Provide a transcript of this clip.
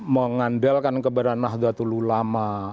mengandalkan kepada nahdlatul ulama